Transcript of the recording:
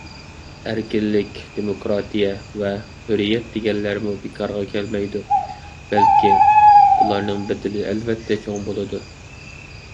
ئەركىنلىك، دېموكراتىيە ۋە ھۆرىيەت دېگەنلەرمۇ بىكارغا كەلمەيدۇ. بەلكى بۇلارنىڭ بەدىلى ئەلۋەتتە چوڭ بولىدۇ.